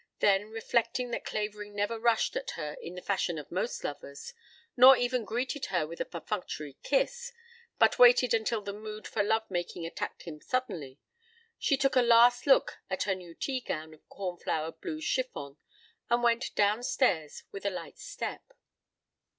Then, reflecting that Clavering never rushed at her in the fashion of most lovers, nor even greeted her with a perfunctory kiss, but waited until the mood for love making attacked him suddenly, she took a last look at her new tea gown of corn flower blue chiffon and went down stairs with a light step.